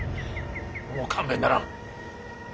もう勘弁ならん。